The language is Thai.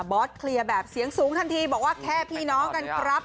อสเคลียร์แบบเสียงสูงทันทีบอกว่าแค่พี่น้องกันครับ